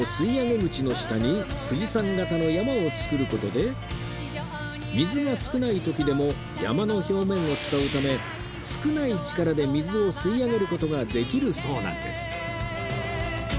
口の下に富士山形の山を作る事で水が少ない時でも山の表面を伝うため少ない力で水を吸い上げる事ができるそうなんです